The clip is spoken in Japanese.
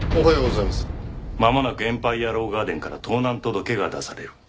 まもなくエンパイヤ・ロー・ガーデンから盗難届が出される。